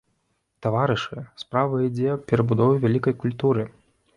Таварышы, справа ідзе аб перабудове вялікай культуры.